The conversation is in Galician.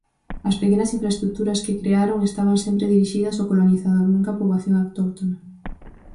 As pequenas infraestruturas que crearon estaban sempre dirixidas ao colonizador, nunca á poboación autóctona.